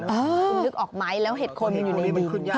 คุณลึกออกไม้แล้วเห็ดโคนมันอยู่ในดิน